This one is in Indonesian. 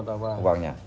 dipakai buat apa uangnya